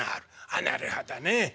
「あっなるほどねえ。